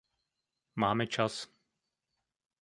Máme čas.